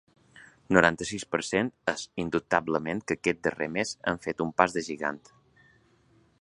Noranta-sis per cent És indubtable que aquest darrer mes hem fet un pas de gegant.